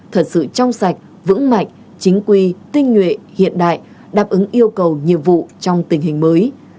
thật sự trong sạch vững mạnh chính quy tinh nhuệ hiện đại đáp ứng yêu cầu nhiệm vụ trong tình hình mới